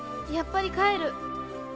やっぱり帰る。